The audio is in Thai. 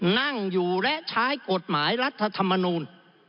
นั่งอยู่และใช้กฎหมายรัฐธรรมนูล